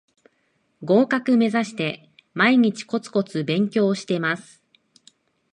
合格めざして毎日コツコツ勉強してます